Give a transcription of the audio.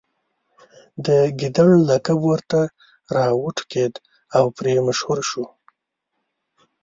د ګیدړ لقب ورته راوټوکېد او پرې مشهور شو.